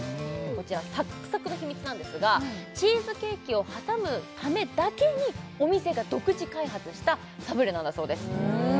こちらサックサクの秘密なんですがチーズケーキを挟むためだけにお店が独自開発したサブレなんだそうです